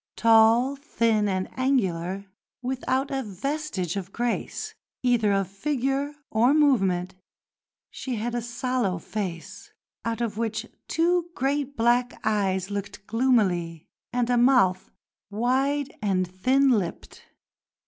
Tall, thin, and angular, without a vestige of grace either of figure or movement, she had a sallow face out of which two great black eyes looked gloomily, and a mouth wide and thin lipped.